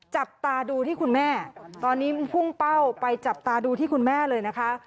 จับตาดูที่คุณแม่ตอนนี้พุ่งเป้าไปจับตาดูที่คุณแม่เลยนะคะ